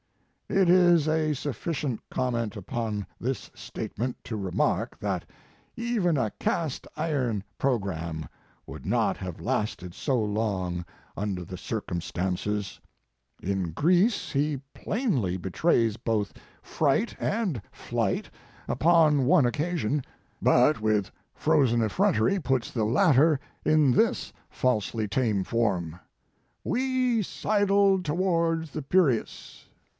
It is a sufficient comment upon this statement to remark that even a cast iron programme would not have lasted so long under the cireum His Life and Work. stances. In Greece he plainly betrays both fright and flight upon one occasion, but with frozen effrontery puts the latter in this falsely tame form: We sidled towards the Piraeus.